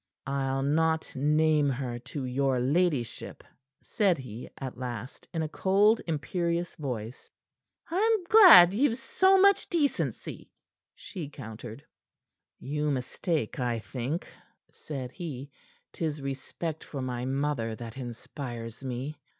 "I'll not name her to your ladyship," said he at, last, in a cold, imperious voice. "I'm glad ye've so much decency," she countered. "You mistake, I think," said he. "'Tis respect for my mother that inspires me."